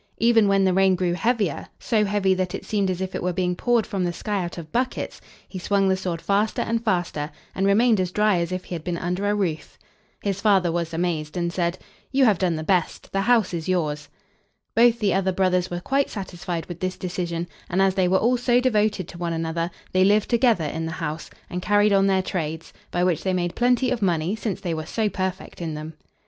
Even when the rain grew heavier, so heavy that it seemed as if it were being poured from the sky out of buckets, he swung the sword faster and faster, and remained as dry as if he had been under a roof. His father was amazed, and said: "You have done the best; the house is yours." Both the other brothers were quite satisfied with this decision, and as they were all so devoted to one another, they lived together in the house, and carried on their trades, by which they made plenty of money, since they were so perfect in them.